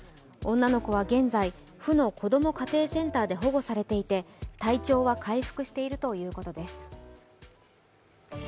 女の子は現在、府の子ども家庭センターで保護されていて体調は回復しているということです。